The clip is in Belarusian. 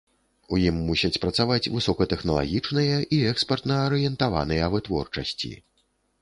У ім мусяць працаваць высокатэхналагічныя і экспартна-арыентаваныя вытворчасці.